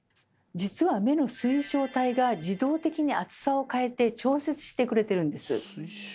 実は目の水晶体が自動的に厚さを変えて調節してくれてるんです。